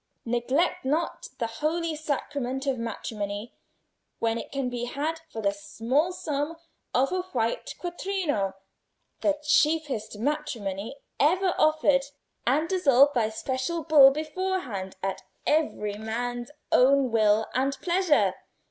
neglect not the holy sacrament of matrimony when it can be had for the small sum of a white quattrino—the cheapest matrimony ever offered, and dissolved by special bull beforehand at every man's own will and pleasure.